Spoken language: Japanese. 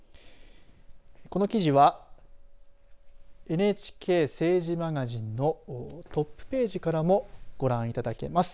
この記事はＮＨＫ政治マガジンのトップページからもご覧いただけます。